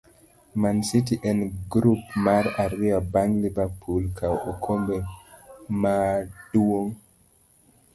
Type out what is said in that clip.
Mancity en grup mara ariyo bang' Liverpool kawo okombe mar duong'